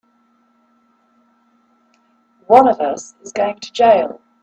One of us is going to jail!